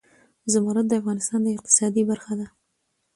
زمرد د افغانستان د اقتصاد برخه ده.